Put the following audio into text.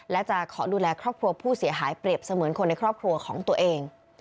และจะขอดูแลครอบครัวผู้เสียหายเปรียบเสมือนคนในครอบครัวของตัวเอง